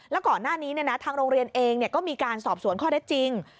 แล้วก่อนหน้านี้ทางโรงเรียนเองก็มีการสอบสวนข้อได้จริง